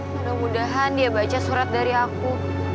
mudah mudahan dia baca surat dari aku